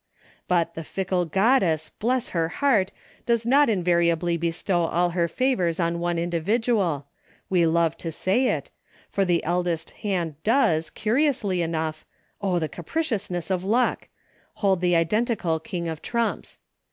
But the fickle goddess, bless her heart! does not invariably bestow all her favors on one individual — we love to say it — for the eldest hand does, curiously enough,— oh, the capriciousness of luck! — hold the identical King of trumps.